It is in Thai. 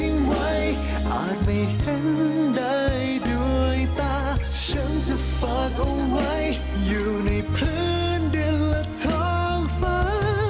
อาจไม่เห็นได้ด้วยตาฉันจะฝากเอาไว้อยู่ในพื้นเดือนละท้องฟ้า